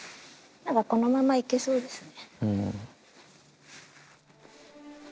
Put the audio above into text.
このまま行けそうですね。